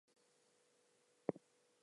Change the batteries of your smoke detector.